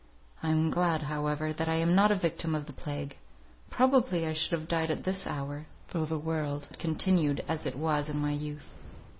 I am glad, however, that I am not a victim of the plague; probably I should have died at this hour, though the world had continued as it was in my youth."